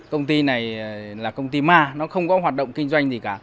công ty này là công ty ma nó không có hoạt động kinh doanh gì cả